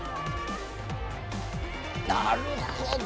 「なるほど！」